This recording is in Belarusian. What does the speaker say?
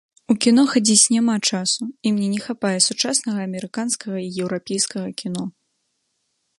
У кіно хадзіць няма часу, і мне не хапае сучаснага амерыканскага і еўрапейскага кіно.